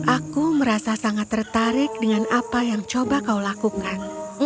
aku merasa sangat tertarik dengan apa yang coba kau lakukan